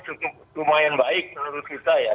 cukup lumayan baik menurut kita ya